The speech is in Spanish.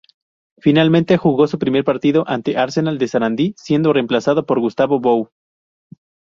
Finalmente jugó su primer partido ante Arsenal de Sarandí, siendo reemplazado por Gustavo Bou.